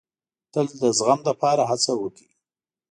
تل د زغم لپاره هڅه وکړئ.